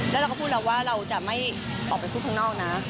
แล้วเราก็พูดแล้วว่าเราจะไม่ออกไปพูดข้างนอกนะ